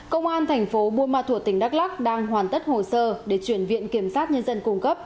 công an thành phố buôn ma thuột tỉnh đắk lắc đang hoàn tất hồ sơ để chuyển viện kiểm sát nhân dân cung cấp